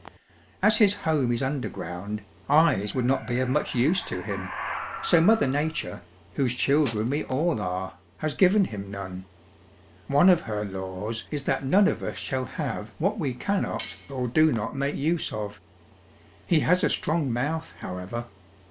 "As his home is underground, eyes would not be of much use to him, so Mother Nature, whose children we all are, has given him none. One of her laws is that none of us shall have what we cannot or do not make use of. He has a strong mouth, however.